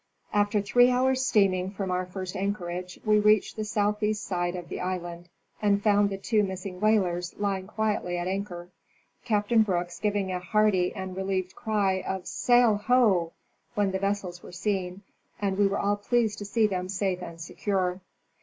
After three hours' steaming from our first anchorage we reached the southeast side of the island and found the two miss ing whalers lying quietly at anchor, Captain Brooks giving a hearty and relieved cry of Sail ho!, when the vessels were seen, and we were all pleased to see them safe and secure.